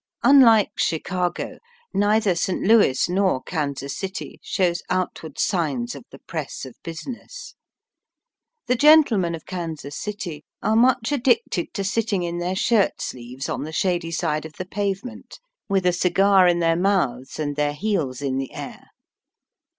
Unlike Chicago, neither St. Louis nor Kansas City shows outward signs of the press of business. The gentlemen of Kansas City are much addicted to sitting in their shirt sleeves on the shady side of the pavement, with a cigar in their mouths and their heels in the air.